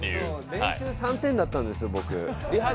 練習、３点だったんです、僕。